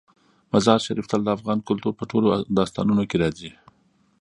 مزارشریف تل د افغان کلتور په ټولو داستانونو کې راځي.